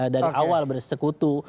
dari awal bersekutu